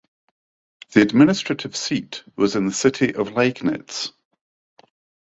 The administrative seat was in the city of Liegnitz.